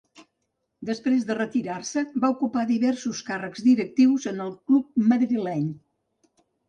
Després de retirar-se va ocupar diversos càrrecs directius en el club madrileny.